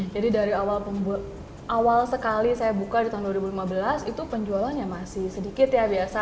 jadi dari awal sekali saya buka di tahun dua ribu lima belas itu penjualannya masih sedikit ya biasa